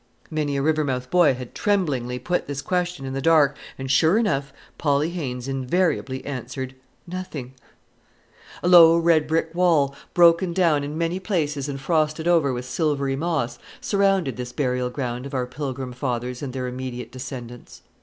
Many a Rivermouth boy has tremblingly put this question in the dark, and, sure enough, Polly Haines invariably answered nothing! A low red brick wall, broken down in many places and frosted over with silvery moss, surrounded this burial ground of our Pilgrim Fathers and their immediate descendants.